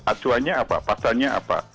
atuannya apa pasarnya apa